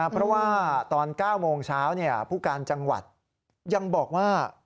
เพราะว่าตอน๙โมงเช้าผู้การจังหวัดยังบอกว่า